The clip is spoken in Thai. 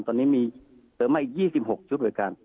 ตอนนี้มีเติมง่ายสิบหกชุดโชคลุยกัน